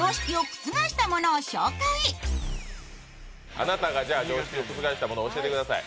あなたが常識を覆したものを教えてください。